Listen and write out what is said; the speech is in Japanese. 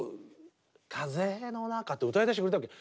「風のなか」って歌い出してくれたわけ。